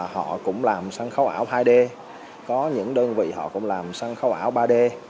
họ cũng làm sân khấu ảo hai d có những đơn vị họ cũng làm sân khấu ảo ba d